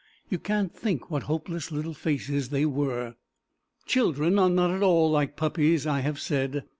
You can't think what hopeless little faces they were. Children are not at all like puppies, I have said.